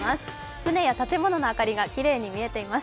船や建物の明かりがきれいに見えています。